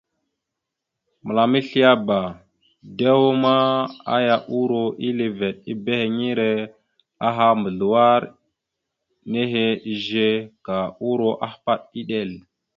Mǝlam esleaba, dew ma, aya uro ille veɗ ebehiŋire aha mbazləwar nehe izze, ka uro ahpaɗ iɗel.